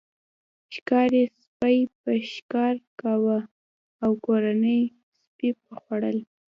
ښکاري سپي به ښکار کاوه او کورني سپي به خوړل.